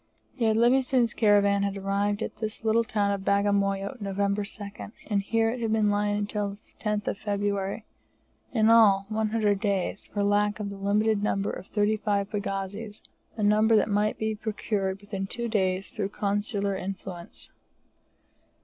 Yet Livingstone's caravan had arrived at this little town of Bagamoyo November 2nd, and here it had been lying until the 10th February, in all, 100 days, for lack of the limited number of thirty five pagazis, a number that might be procured within two days through consular influence.